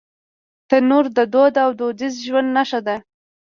تنور د دود او دودیز ژوند نښه ده